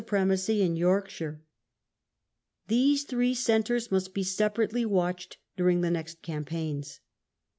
premacy in Yorkshire. These three centres must be separately watched during the next campaigns.